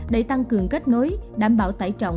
để tăng cường cách nối đảm bảo tải trọng